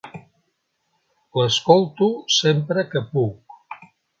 L'escolto sempre que puc.